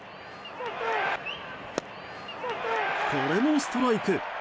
これもストライク。